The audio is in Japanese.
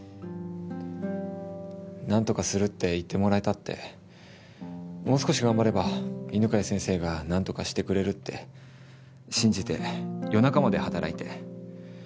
何とかするって言ってもらえたってもう少し頑張れば犬飼先生が何とかしてくれるって信じて夜中まで働いて。